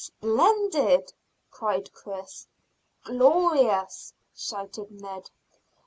"Splendid!" cried Chris. "Glorious!" shouted Ned.